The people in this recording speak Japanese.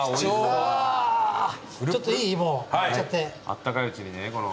あったかいうちにねこの。